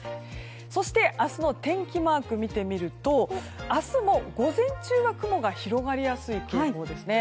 そして、明日の天気マークを見てみると明日も午前中は雲が広がりやすい傾向ですね。